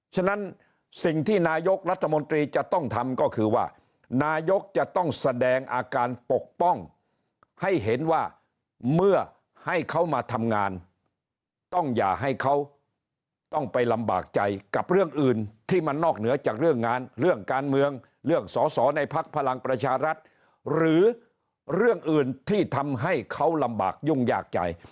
ฉะนั้นสิ่งที่นายกรัฐมนตรีจะต้องทำก็คือว่านายกจะต้องแสดงอาการปกป้องให้เห็นว่าเมื่อให้เขามาทำงานต้องอย่าให้เขาต้องไปลำบากใจกับเรื่องอื่นที่มันนอกเหนือจากเรื่องงานเรื่องการเมืองเรื่องสอสอในพักพลังประชารัฐหรือเรื่องอื่นที่ทำให้เขาลำบากยุ่งยากใจ